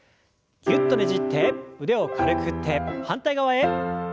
ぎゅっとねじって腕を軽く振って反対側へ。